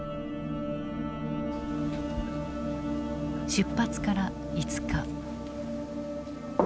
出発から５日。